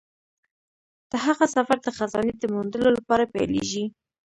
د هغه سفر د خزانې د موندلو لپاره پیلیږي.